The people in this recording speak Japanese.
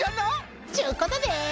ちゅうことで！